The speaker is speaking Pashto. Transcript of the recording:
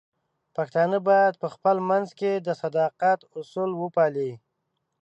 پښتانه بايد په خپل منځ کې د صداقت اصول وپالي.